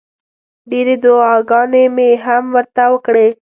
ډېرې دوعاګانې مې هم ورته وکړې.